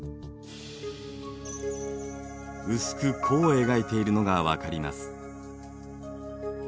薄く弧を描いているのがわかります。